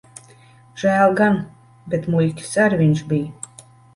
Žēl gan. Bet muļķis ar viņš bij.